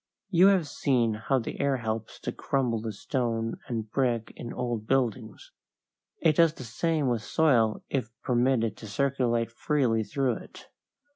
You have seen how the air helps to crumble the stone and brick in old buildings. It does the same with soil if permitted to circulate freely through it.